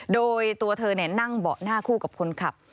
โดยตัวเธอนั่งเบาะหน้าคู่กับคนขับ